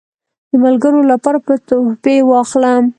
د ملګرو لپاره به تحفې واخلم.